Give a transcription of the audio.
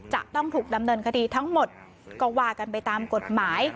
จะต้องถูกดำเนินคดีทั้งหมดก็ว่ากันไปตามกฎหมาย